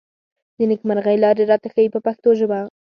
د نېکمرغۍ لارې راته ښيي په پښتو ژبه.